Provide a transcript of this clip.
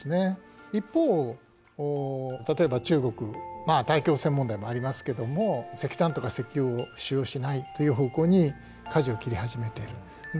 一方例えば中国大気汚染問題もありますけども石炭とか石油を使用しないという方向にかじを切り始めている。